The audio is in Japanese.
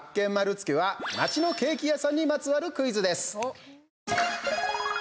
つけは街のケーキ屋さんにまつわるクイズです。